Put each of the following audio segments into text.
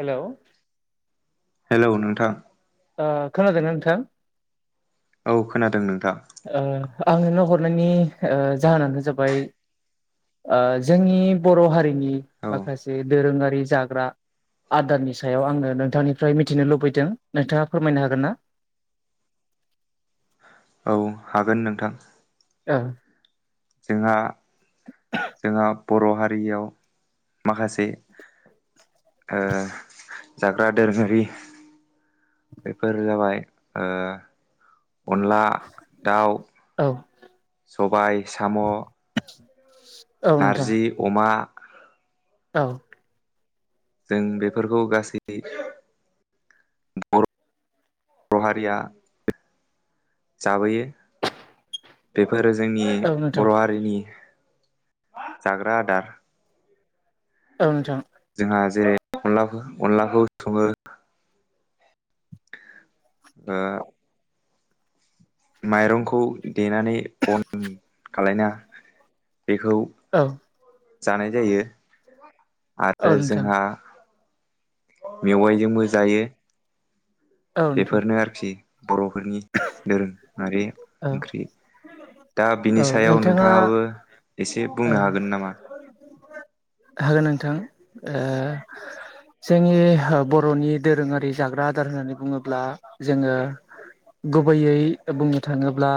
हेल'। हेल' नोंथां। खोनादों नोंथां। औ खोनादों नोंथां। आं नोंनो हरनायनि जाहोनानो जाबाय जोंनि बर' हारिनि औ माखासे दोरोङारि जाग्रा- आदारनि सायाव आंनो नोंथांनिफ्राय मिथिनो लुबैदों। नोंथाङा फोरमायनो हागोन ना? [inaudible] औ हागोन नोंथां। ओ जोंहा - जोंहा बर' हारि बेयाव माखासे ओ जाग्रा दोरोङारि बेफोर जाबाय - ओ अनला दाउ औ सबाय साम', औ नोंथां नारजि अमा, औ जों बेफोरखौ गासै दै बर' हारिआ जाबोयो बे फोर जोंनि औ नोंथां बर' हारिनि जाग्रा आदार। औ नोंथां। जोंहा जेरै अनला अनलाखौ सङो ओ माइरंखौ देनानै अन खालायना बेखौ औ जानाय जायो। औ आरो नोंथां जोंहा मेवाइजोंबो जायो। औ नोंथां बेफोरनो आरोखि बर'फोरनि दोरोंआरि औ ओंख्रि। दा बिनि औ सायाव नोंथाङा नोंथाङाबो एसे बुंनो हागोन नामा? हो नोंथां। ओ जोंनि बर'नि दोरोङारि जाग्रा आदार होननानै बुङोब्ला जोङो गुबैयै बुंनो थाङोब्ला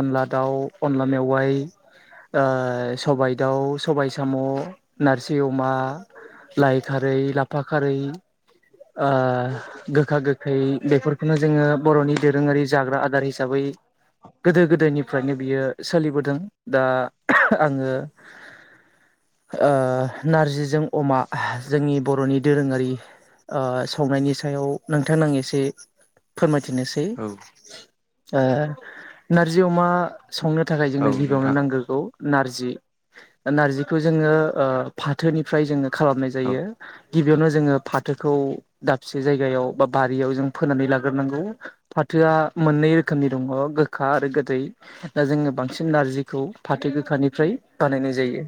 अनला दाउ, अनला मेवाय, ओ सबाय दाउ, सबायाइ साम', नारजि अमा लाइ खारै, लाफा खारै, आ गोखा गोखै, बेफोरखौनो जोङो बर'नि दोरोङारि जाग्रा आदार हिसाबै गोदो गोदायनिफ्रायनो बियो सोलिबोदों। दा आंङो आ नारजिजों अमा जोंनि बर'नि दोरोङारि ओ संनायनि सायाव नोंथांनो आं एसे फोरमायथिनोसै औ ओ नारजि अमा संनो थाखाय औ जोंनो गिबियावनो नोंथां नांगोरगौ नारजि। नारजिखौ जोङो ओ फाथोनिफ्राय जोङो खालामनाय औ जायो गिबियावनो जोङो फा थोखौ दाबसे जायगायाव बा बारियाव जों फोनानै लाग्रोनांगौ। फाथोआ मोननै रोखोमनि दङ गोखा आरो गोदै। दा जोङो बांसिन नारजिखौ फाथो गोखानिफ्राय बानायनाय जायो।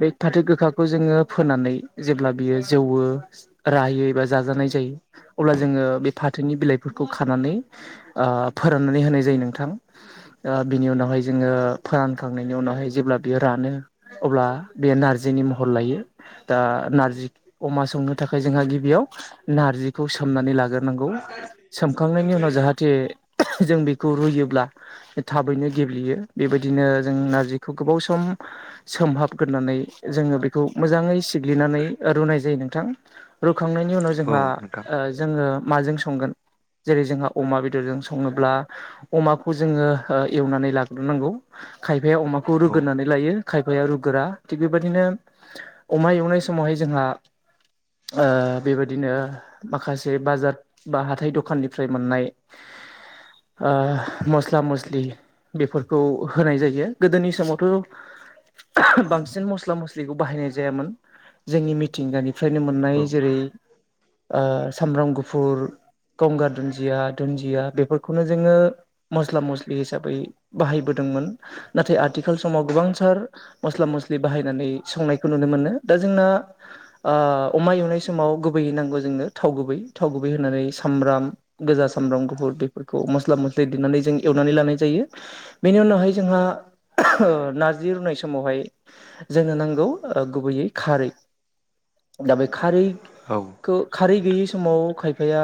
बे फाथो गोखाखौ जोङो फोनानै जेब्ला बियो जो वो रायो एबा जाजानाय जायो अब्ला जोङो बे फाथोनि बिलाइफोरखौ खानानै ओ फोराननानै होनाय जायो नोंथां। बिनि उनावहाय जोङो फोरानखांनायनि उनावहाय जेब्ला बियो रानो अब्ला बेयो नारजि नि महर लायो दा नारजि अमा संनो थाखाय जोंहा गिबियाव नारजिखौ सोम नानै लागोरनांगौ सोमखांनायनि उनाव जाहाथे जों बेखौ रुयोब्ला थाबैनो गेब्लेयो बेबायदिनो जों नारजि खौ गोबाव सम सोमहाबग्रोनानै जोङो बेखौ मोजाङै सिग्लिनानै रुनाय जायो। नोंथां। रुखांनायनि उनाव औ जोंहा नोंथां ओ जोङो माजों संगोन जेरै-जोंहा अमा बेदरजों सङोब्ला अमाखौ जोङो ओ एवनानै लाग्रोनांगौ खाय फाया अमाखौ औ रुगोरनानै लायो। खायफाया रुगोरा थिग बेबायदिनो अमा एवनाय समावहाय जोंहा ओ बेबायादिनो माखासे बाजार बा हाथाइ दखाननिफ्राय मोननाय [inaudible] ओ मस्ला मस्लि बेफोरखौ होनाय जायो। गोदोनि समावथ' बांसिन मस्ला मस्लिखौ बाहायनाय जायामोन, जोंनि मिथिंगानि फ्रायनो मोननाय औ जेरै ओ सामब्राम गुफुर गंगार दुन्दिया दुनदिया बेफोरखौनो जोङो मस्ला मस्लि हिसाबै बाहायबोदोंमोन। नाथाय आथि खाल समाव गोबांथार मस्ला मस्लि बाहायनानै संनायखौ नुनो मोनो। दा जोंना आ आ अमा एवनाय समाव गुबै नांगौ जोंनो थाव गुबै थाव गुबै होनानै सामब्राम गोजा सामब्राम गुफुर बेफोरखौ मस्ला मस्लि देरनानै जों एवनानै लानाय जायो। बेनि उनावहाय जोंहा नार्जि रुनाय समावहाय जोंनो नांगौ गुबैयै खारै। दा बे औ खारैखो खारै नोंथां गैयै समाव खायफाया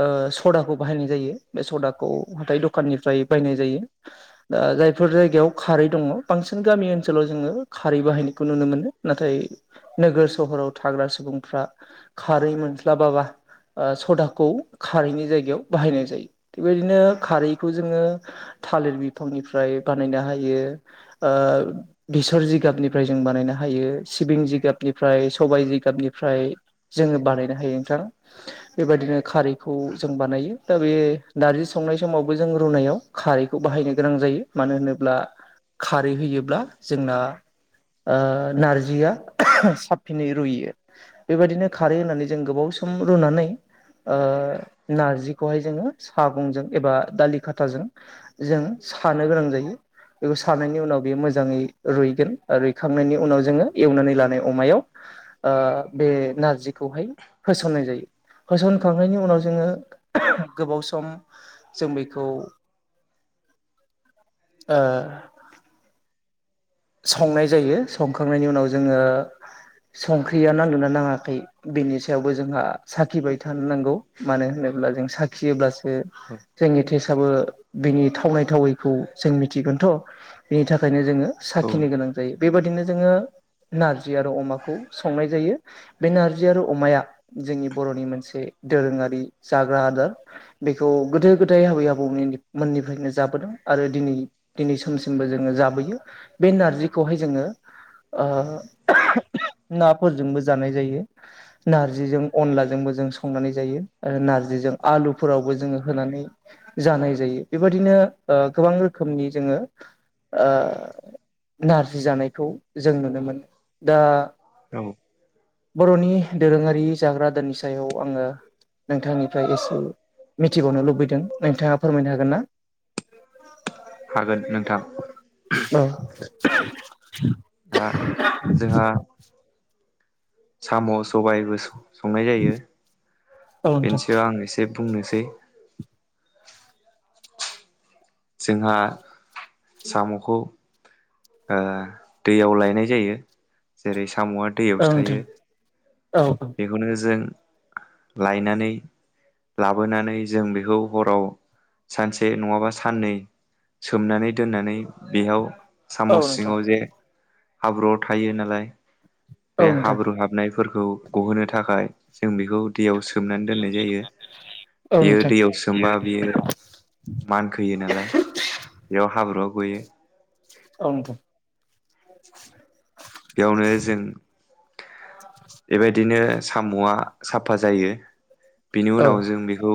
ओ सदाखौ बाहायनाय जायो बे सदाखौ हाथाय दखाननिफ्राय बायनाय जायो। दा जायफोर जायगायाव खारै दङ बांसिन गामि ओनसोलाव जोङो खारै बाहायनायखौ नुनो मोनो नाथाय नोगोर सहर सहराव थाग्रा सुबुंफ्रा खारै मोन्लाबाबा सदाखौ खारैनि जायगायाव याव बाहायनाय जायो थिगबायदिनो खारैखौ जोङो थालिर बिफांनिफ्राय बानायनो हायो यो ओ बेसर जिगाबनि जों बानायनो हायो सिबिं जिगाबनिफ्रा सबाय जिगाबनिफ्राय जोङो बानायनो हायो नोंथां बेबायदिनो खारैखौ जों बानायो दा बे नारजि संनाय समावबो जों रुनायाव खारैखौ बाहायनो गोनां जायो मानो होनोब्ला ब्ला खारै होयोब्ला जोंना ओ नारजिया साबसिनै रुइयो बेबायदिनो खारै होननानै जों गोबाव सम रुनानै नार्जिखौहाय जोङो सागंजों एबा दालि खाथाजों जों सानो गोनां जायो बेखौ सानायनायनि उनाव बेयो मोजाङै रुइगोन आरो रुइखांनायनि उनाव जोङो एवनानै लानाय अमायाव ओ बे नारजिखौहाय होसननाय जायो होसनखांनायनि उनाव जोङो गोबाव सम जों बेखौ ओ संनाय जायो संखांनायनि उनाव जोङो संख्रिया नादोंना नाङाखै बिनि सायावबो जोंहा साखिबाय थानो नांगौ मानो होनोब्ला जों साखियोब्लासो औ जोंनिथ' टेसआबो बिनि थावनाय थावैखौ जों मिथिगोनथ' बिनि थाखायनो जोङो औ साखिनो गोनां जायो बेबायादिनो जोङो नारजि आरो अमाखौ संनाय जायो बे नारजि आरो अमाया जोंनि बर'नि मोनसे दोरोङारि जाग्रा आदार बेखौ गोदो गोदाय आबै आबौनि मोननिफ्रायनो जाबोदों आरो दिनै दिनै समसिमबो जोङो जाबोयो बे नारजिखौहाय जोङो ओ नाफोरजोंबो जानाय जायो नारजिजों अनलाजोंबो जों संनानै जायो आरो आलुफोरावबो जोङो होनानै जानाय जायो बेबादिनो ओ गोबां रोखोमनि जोङो ओ नारजि जानायखौ जों नुनो मोनो दा औ बर'नि दोरोङारि जाग्रा दोननि सायाव आङो नोंथांनिफ्राय एसे मिथिबावनो लुबैदों नोंथाङा फोरमायनो हागोन ना बे हागोन नोंथां औ दा जोंहा साम' सबायबो संनाय जायो औ नोंथां बेनि सायाव आं एसे बुंनोसै जोंहा साम'खौ ओ दैयाव लायनाय जायो जेरै साम'आ औ दैयावसो नोंथां थायो औ औ बेखौनो जों लायनानै लाबोनानै जों बेखौ हराव सानसे नङाबा साननै सोमनानै दोननानै बेयाव साम' औ नोंथां सिङाव जे हाब्रुआव थायो नालाय औ बे नोंथां हाब्रु हाबनाय फोरखौ गहोनो थाखाय जों बेखौ दैयाव सोमनानै दोननाय जायो औ बेयो नोंथां दैयाव सोमबा बियो मानखोयो नालाय बेयाव हाब्रुआ गयो औ नोंथां बेयावनो जों बेबायदिनो साम'आ साफा जायो बिनि औ उनाव जों बेखौ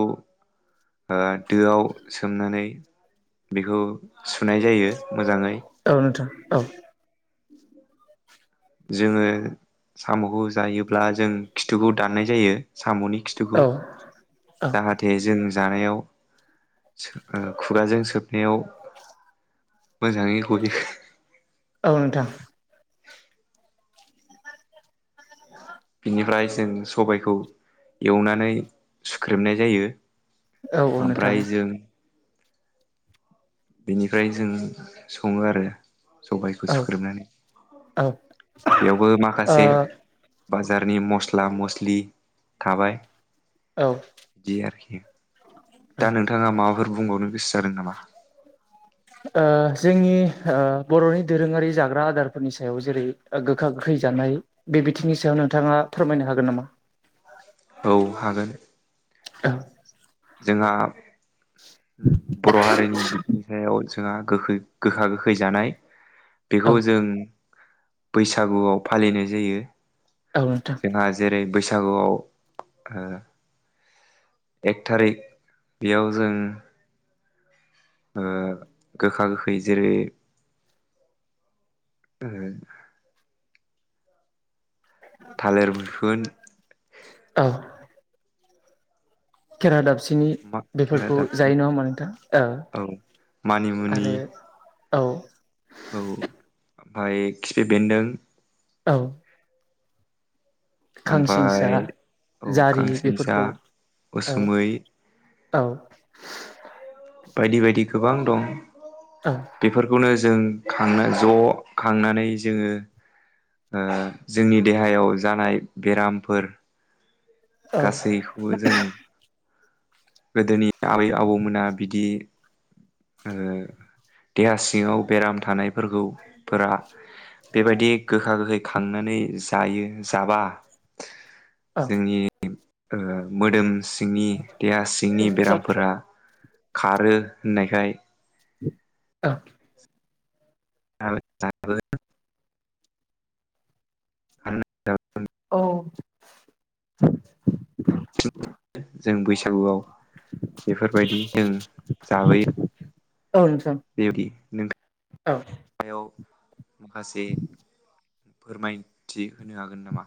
दोआव सोमनानै बेखौ सुनाय जायो मोजाङै औ नोंथां औ जोङो साम'खौ जायोब्ला जों खिथुखौ दाननाय जायो। साम'नि खिथुखौ औ औ जाहाथे जोंङो जानायाव [inaudible] सो-ओ-खुगाजों सोबनायाव [inaudible] मजांङै ग'यो हो हो। औ नोंथां [inaudible] बिनिफ्राय जों सबायखौ एवनानै सुख्रेमनाय जायो। औ औ नोंथां ओमफ्राय औ। बेनिफ्राय जों सङो आरो सबायखौ औ सुख्रोमनानै। औ ओ बेयावबो माखासे बाजारनि मस्ला-मस्लि थाबाय। औ ओ दि आरोखि दा नोंथाङा माबाफोर बुंबावनो गोस जा‌दों नामा? ओ जोंनि ओ बर'नि दोरोङारि जाग्रा आदारफोरनि सायाव जेरै गोखा गोखै जानाय नाय बे बिथिंनि सायाव नोंथाङा फोरमायनो हागोन नामा? औ हागोन हो। जोंहा [inaudible] बर' हारिनि बिथिं सायाव जोंहा गोैखै गोखा गोखै जानाय बेखौ औ जों बैसागुआव फालिनाय जायो औ नोंथां जोंहा जेरै बै सागुआव ओ [inaudible] थारै बेयाव जों ओ गोखा-गोखै जेरै [inaudible] ओ। थालिर मैखुन [inaudible] केरादाफिन फिनि मा बेफोरखौ खेरादाफिनि जायो नङा होमा नोंथां औ मानिमुनि आरो औ आरो औ। औ ओमफ्राय खिफि बेन्दों, औ। ओमफ्राय खांसिंसा औ जारि खांसिंसा बेफोरखौ औ। उसुमै औ। बायदि बायदि गोबां दं बेफोरखौनो ज जों खांना ज' खांनानै जोङो ओ जोंनि देहायाव जानाय बेरामफोर औ गासैखौबो जों गोदोनि आबै-आबौमोना बिदि ओ देहा सिङाव बेराम थानायफोरखौ फोरा बेबायदि गोखा-गोखै खांनानै जायो जाबा औ जोंनि ओ मोदोम सिं सिंनि देहा सिंनि बेरामफोरा खारो होननायखाय औ। [unintelligible] औ। [inaudible] [inaudible] जों बैसागुआव बेफोरबायदि जों जाबोयो। औ नोंथां। [inaudible] औ आयौ। माखासे फोरमायथि होनो हागोन नामा?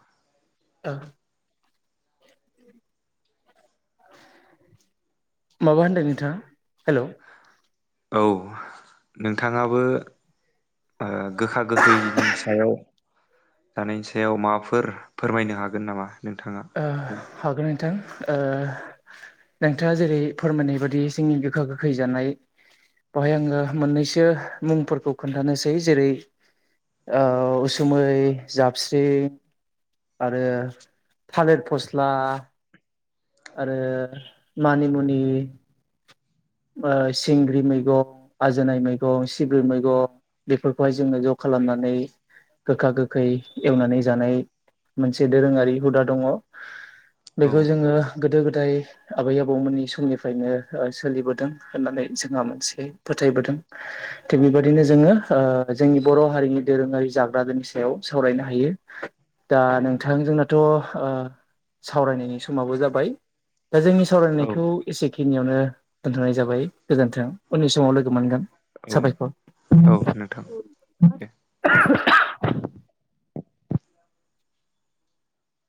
ओ। [inaudible] [inaudible] माबा होनदों नोंथाङा हेलौ। औ नोंथाङाबो ओ गोखा गोखैनि सायाव जानायनि सायाव माबाफोर फोरमायनो हागोन नामा? नोंथाङा? ओ हागोन नोंथां ओ नोंथाङा जेरै फोरमायनाय बादि जोंनि गोखा गोखै जानाय बेवहाय आङो मोननैसो मुंफोरखौ खोन्थानोसै जेरै ओ उसुमै जाबस्रिं आरो औ थालिर फस्ला आरो मानिमुनि ओ सिंग्रि मैगं आजोनाय मैगं सिब्रु मैगं बेफोरखौहाय जोङो ज' खा खालामनानै गोखा गोखै एवनानै जानाय मोनसे दोरोङारि हुदा दङ। औ बेखौ जोङो गोदो गोदाय आबै आबौमोननि समनिफ्रायनो ओ सोलिबोदों होननानै जोंहा मोनसे फोथायबोदों थिग बेबायदिनो जोङो ओ जोंनि बर' हारि हारिनि दोरोङारि जाग्रा आरिनि सायाव सावरायनो हायो। दा नोंथां जोंनाथ' सावरायनायनि समाबो जाबाय दा जोंनि औ सावरायनायखौ एसेखिनियावनो दोनथ'नाय जाबाय गोजोन्थों उननि समाव लोगो मोनगोन औ साफायखर औ नोंथां दे [inaudible]